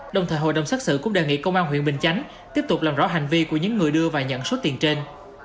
đồng thời hội đồng xét xử cũng đề nghị công an huyện bình chánh tiếp tục làm rõ hành vi của những người đưa và nhận số tiền trên